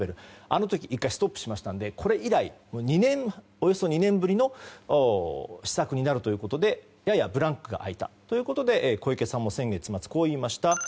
あの時１回ストップしましたのでこれ以来およそ２年ぶりの施策になるということでややブランクが開いたということで小池さんも先月末こう言いました。